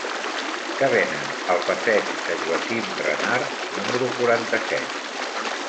Què venen al passeig de Joaquim Renart número quaranta-set?